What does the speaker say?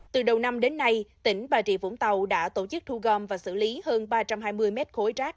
từ đầu năm đến nay tỉnh bà rịa vũng tàu đã tổ chức thu gom và xử lý hơn ba trăm hai mươi mét khối rác